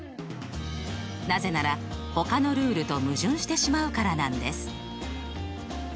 なぜならほかのルールと矛盾してしまうからなんです。